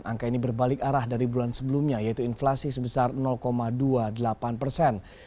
angka ini berbalik arah dari bulan sebelumnya yaitu inflasi sebesar dua puluh delapan persen